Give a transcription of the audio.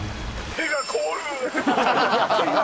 手が凍る。